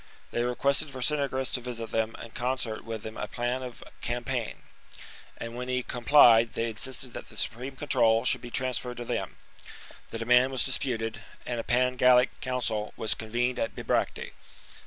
They requested Ver cingetorix to visit them and concert with them a plan of campaign ; and when he complied, they insisted that the supreme control should be trans ferred to them. The demand was disputed ; and a Pan Gallic council was convened at Bibracte.